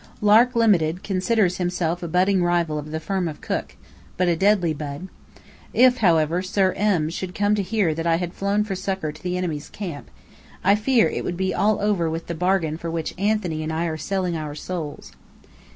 Lark, Ltd., considers himself a budding rival of the firm of Cook; but a deadly bud. If, however, Sir M. should come to hear that I had flown for succour to the enemy's camp, I fear it would be all over with the bargain for which Anthony and I are selling our souls.